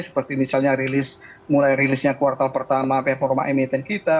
seperti misalnya mulai rilisnya kuartal pertama performa emiten kita